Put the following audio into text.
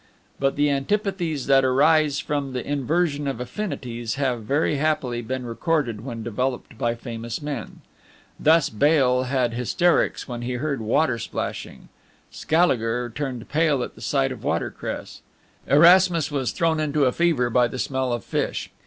But the antipathies that arise from the inversion of affinities have, very happily, been recorded when developed by famous men. Thus, Bayle had hysterics when he heard water splashing, Scaliger turned pale at the sight of water cress, Erasmus was thrown into a fever by the smell of fish.